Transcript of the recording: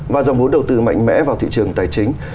và dòng vốn đầu tư mạnh mẽ vào thị trường tài chính